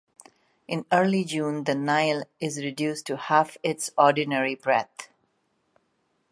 In early June, the Nile is reduced to half its ordinary breadth.